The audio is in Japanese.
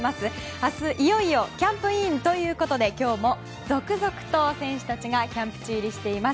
明日、いよいよキャンプインということで今日も続々と選手たちがキャンプ地入りしています。